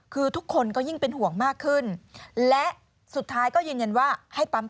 คือทุกคนก็ยิ่งเป็นห่วงมากขึ้นและสุดท้ายก็ยืนยันว่าให้ปั๊ม